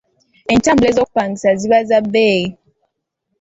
Entambula ez'okupangisa ziba za bbeeyi.